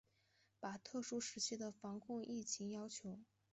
把特殊时期的防控疫情要求